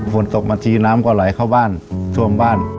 ฝนตกมาทีน้ำก็ไหลเข้าบ้านท่วมบ้าน